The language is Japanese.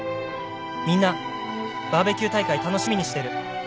みんなバーベキュー大会楽しみにしてる」